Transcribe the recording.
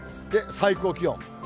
最高気温。